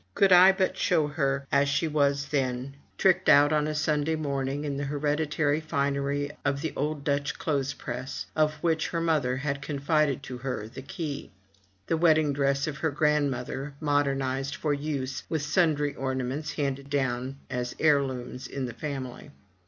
could I but show her as she 109 MY BOOK HOUSE was then, tricked out on a Sunday morning, in the hereditary finery of the old Dutch clothes press, of which her mother had confided to her the key. The wedding dress of her grandmother, modernized for use, with sundry ornaments, handed down as heirlooms in the family.